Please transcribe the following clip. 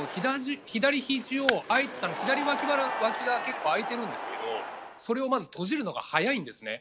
左脇が結構空いてるんですけどそれをまず閉じるのが早いんですね。